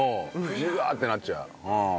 ブワーってなっちゃう。